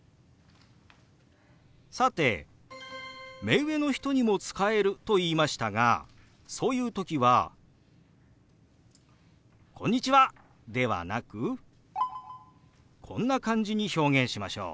さて目上の人にも使えると言いましたがそういう時は「こんにちは！」ではなくこんな感じに表現しましょう。